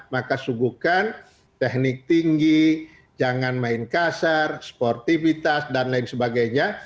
maka suguhkan teknik tinggi jangan main kasar sportivitas dan lain sebagainya